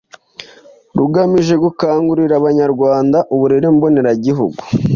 rugamije gukangurira Abanyarwanda uburere mboneragihugu.